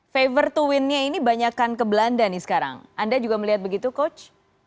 favor to win nya ini banyak ke belanda sekarang anda juga melihat begitu coach